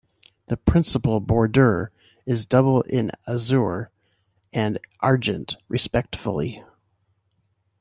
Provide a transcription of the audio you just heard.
The principal bordure is double in azure and argent, respectively.